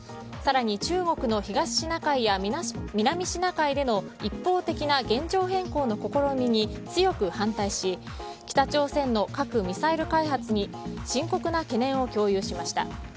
更に中国の東シナ海や南シナ海での一方的な現状変更の試みに強く反対し北朝鮮の核・ミサイル開発に深刻な懸念を共有しました。